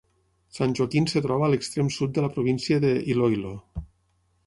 San Joaquin es troba a l'extrem sud de la província de Iloilo.